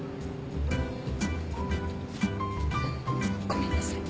ごめんなさい。